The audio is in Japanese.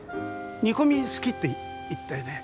煮込み好きって言ったよね？